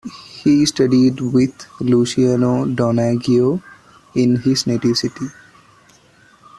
He studied with Luciano Donaggio in his native city.